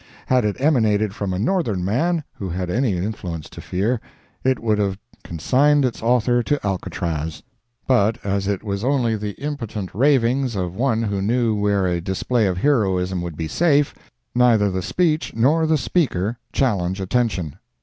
Had it emanated from a Northern man, who had any influence to fear, it would have consigned its author to Alcatraz. But, as it was only the impotent ravings of one who knew where a display of heroism would be safe, neither the speech nor the speaker challenge attention.